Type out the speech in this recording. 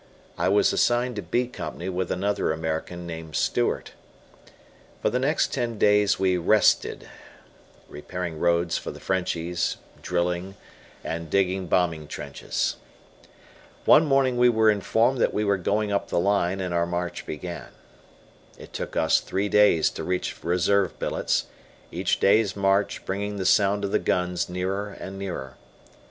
I was assigned to B Company with another American named Stewart. For the next ten days we "rested," repairing roads for the Frenchies, drilling, and digging bombing trenches. One morning we were informed that we were going up the line, and our march began. It took us three days to reach reserve billets each day's march bringing the sound of the guns nearer and nearer.